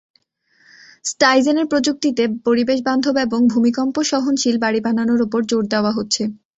স্টাইজেনের প্রযুক্তিতে পরিবেশবান্ধব এবং ভূমিকম্প সহনশীল বাড়ি বানানোর ওপর জোর দেওয়া হচ্ছে।